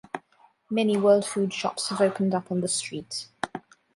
Many 'World Food' shops have opened up on the street.